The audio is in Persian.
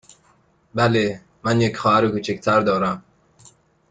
بله، من یک خواهر کوچک تر دارم.